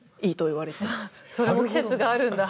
それも季節があるんだ春ごろの。